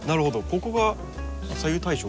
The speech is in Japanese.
ここが左右対称？